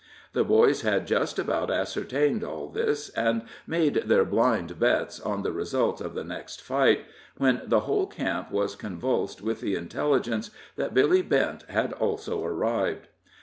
The boys had just about ascertained all this, and made their "blind" bets on the result of the next fight, when the whole camp was convulsed with the intelligence that Billy Bent had also arrived.